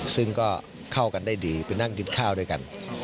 ซึ่งก็เข้ากันได้ดีไปนั่งกินข้าวด้วยกัน